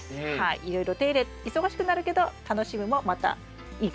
いろいろ手入れ忙しくなるけど楽しみもまたいいかなっていう。